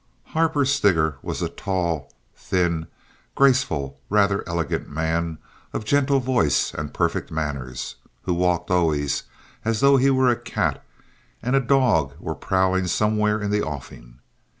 Harper Steger was a tall, thin, graceful, rather elegant man, of gentle voice and perfect manners, who walked always as though he were a cat, and a dog were prowling somewhere in the offing.